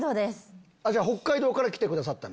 北海道から来てくださったの？